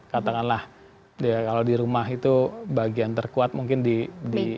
katakanlah kalau di rumah itu bagian terkuat mungkin di